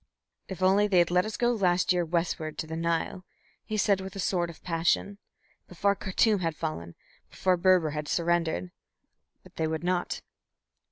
"If only they had let us go last year westward to the Nile," he said with a sort of passion. "Before Khartum had fallen, before Berber had surrendered. But they would not."